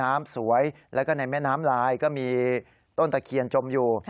น้ำสวยแล้วก็ในแม่น้ำลายก็มีต้นตะเคียนจมอยู่